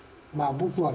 僕はね